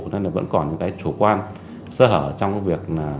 nên vẫn còn những cái chủ quan sơ hở trong việc